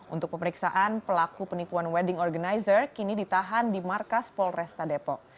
untuk pemeriksaan pelaku penipuan wedding organizer kini ditahan di markas polresta depok